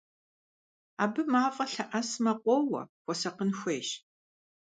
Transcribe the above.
Абы мафӀэ лъэӀэсмэ къоуэ, хуэсакъын хуейщ!